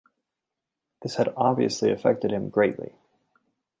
This had obviously affected him greatly.